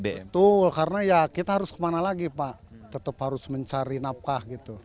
betul karena ya kita harus kemana lagi pak tetap harus mencari nafkah gitu